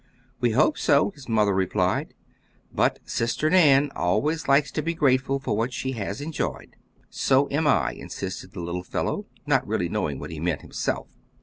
"We hope so," his mother replied, "but sister Nan always likes to be grateful for what she has enjoyed." "So am I," insisted the little fellow, not really knowing what he meant himself.